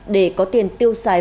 để có tiền tiêu xài